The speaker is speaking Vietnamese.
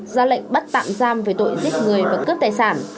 ra lệnh bắt tạm giam về tội giết người và cướp tài sản